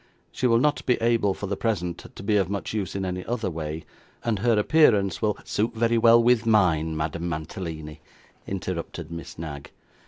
'She will not be able for the present to be of much use in any other way; and her appearance will ' 'Suit very well with mine, Madame Mantalini,' interrupted Miss Knag.